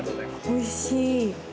おいしい！